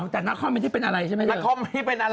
แต่นครไม่ได้เป็นอะไรใช่ไหมนาคอมไม่ได้เป็นอะไร